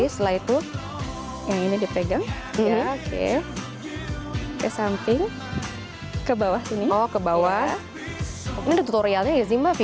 selain itu ini dipegang ya oke ke samping ke bawah ke bawah tutorialnya ada di youtube